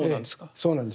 そうなんです。